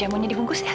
jamunya dibungkus ya